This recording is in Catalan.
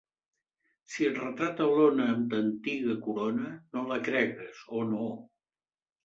Si et retrata l'ona amb ta antiga corona, no la cregues; oh, no!